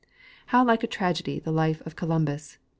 How like a tragedy the life of Columbus